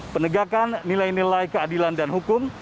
penegakan nilai nilai keadilan dan hukum